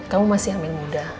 kamu masih amin muda